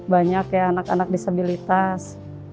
banyak ya anak anak disabilitas